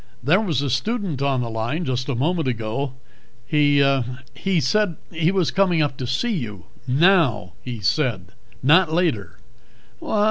There was a student on the line just a moment ago. He he said he was coming up to see you. Now, he said, not later."